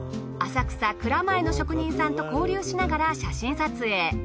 浅草蔵前の職人さんと交流しながら写真撮影。